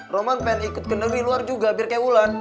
roman pengen ikut ke negeri luar juga biar kayak wulan